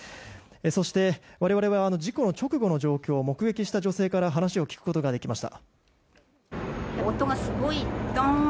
そして、我々は事故直後の状況を目撃した女性から話を聞くことができました。